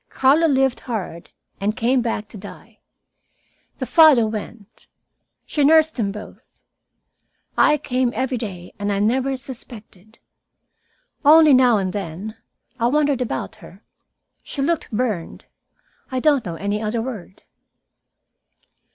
Carlo lived hard and came back to die. The father went. She nursed them both. I came every day, and I never suspected. Only, now and then, I wondered about her. She looked burned. I don't know any other word.